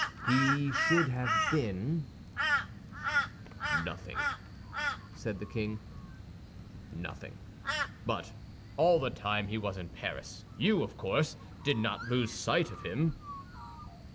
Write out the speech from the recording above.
"He should have been—?" "Nothing," said the king, "nothing. But all the time he was in Paris, you, of course, did not lose sight of him?"